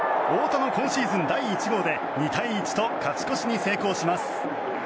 太田の今シーズン第１号で２対１と勝ち越しに成功します。